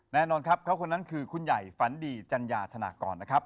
แน่นอนครับเขาคนนั้นคือคุณใหญ่ฝันดีจัญญาธนากรนะครับ